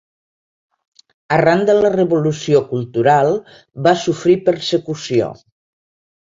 Arran de la Revolució Cultural va sofrir persecució.